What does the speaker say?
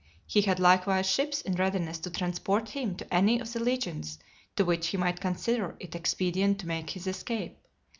He had likewise ships in readiness to transport him to any of the legions to which he might consider it expedient to make his escape.